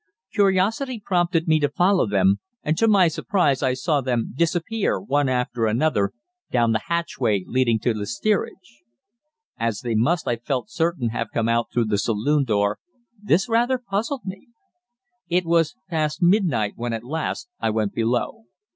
Curiosity prompted me to follow them, and to my surprise I saw them disappear one after another down the hatchway leading to the steerage. As they must, I felt certain, have come out through the saloon door, this rather puzzled me. It was past midnight when, at last, I went below.